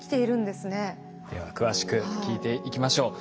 では詳しく聞いていきましょう。